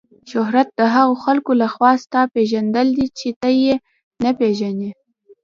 شهرت د هغو خلکو له خوا ستا پیژندل دي چې ته یې نه پیژنې.